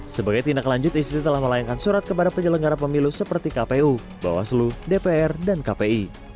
sebagai tindak lanjut istri telah melayangkan surat kepada penyelenggara pemilu seperti kpu bawaslu dpr dan kpi